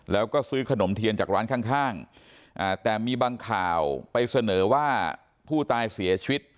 แล้วก็ซื้อขนมเทียนจากร้านข้างแต่มีบางข่าวไปเสนอว่าผู้ตายเสียชีวิต